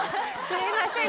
すいません